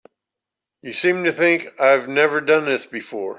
You seem to think I've never done this before.